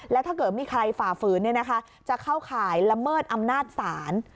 แล้วถ้าเกิดมีใครฝ่าฝืนจะเข้าข่ายละเมิดอำนาจศาล